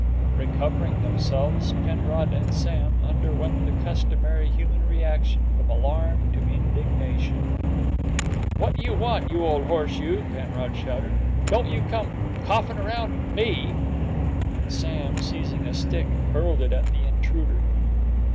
Recovering themselves, Penrod and Sam underwent the customary human reaction from alarm to indignation. "What you want, you ole horse, you?" Penrod shouted. "Don't you come coughin' around me!" And Sam, seizing a stick, hurled it at the intruder.